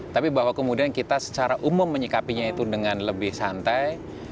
tapi bahwa kemudian kita secara umum menyikapinya itu dengan lebih santai